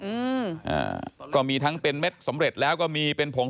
อืมอ่าก็มีทั้งเป็นเม็ดสำเร็จแล้วก็มีเป็นผง